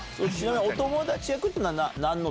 お友達役っていうのは。